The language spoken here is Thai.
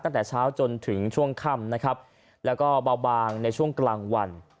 ตั้งแต่เช้าจนถึงช่วงค่ำนะครับแล้วก็เบาบางในช่วงกลางวัน